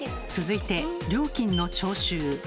続いて料金の徴収。